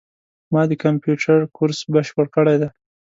ما د کامپیوټر کورس بشپړ کړی ده